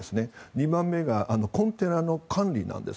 ２番目がコンテナの管理なんです。